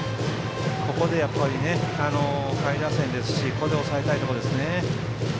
下位打線ですしここで抑えたいところですね。